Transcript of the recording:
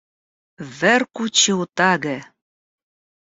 Verku ĉiutage!